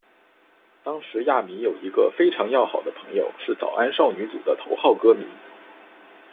当时亚弥有一个非常要好的朋友是早安少女组的头号歌迷。